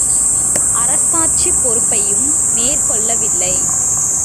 அரசாட்சிப் பொறுப்பையும் மேற்கொள்ளவில்லை.